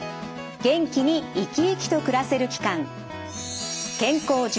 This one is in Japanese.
元気に生き生きと暮らせる期間